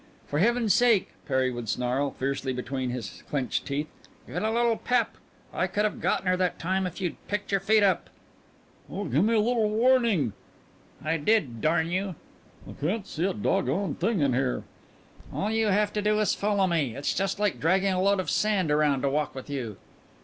"For Heaven's sake," Perry would snarl, fiercely between his clenched teeth, "get a little pep! I could have gotten her that time if you'd picked your feet up." "Well, gimme a little warnin'!" "I did, darn you." "I can't see a dog gone thing in here." "All you have to do is follow me. It's just like dragging a load of sand round to walk with you."